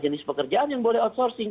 jenis pekerjaan yang boleh outsourcing